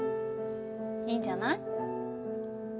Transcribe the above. いいんじゃない？